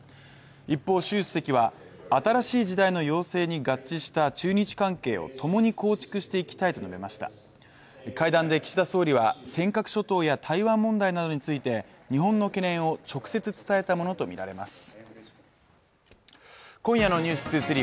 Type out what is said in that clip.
一方習主席は新しい時代の要請に合致した中日関係を共に構築していきたいと述べました会談で岸田総理は尖閣諸島や台湾問題などについて日本の懸念を直接伝えたものと見られます